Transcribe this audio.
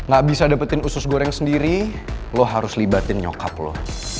gak bisa dapetin usus goreng sendiri lo harus libatin nyokap lo